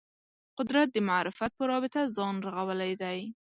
قدرت د معرفت په رابطه ځان رغولی دی